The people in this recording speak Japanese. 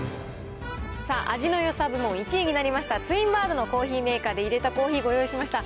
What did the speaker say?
さあ、味のよさ部門１位になりました、ツインバードのコーヒーメーカーでいれたコーヒー、ご用意しました。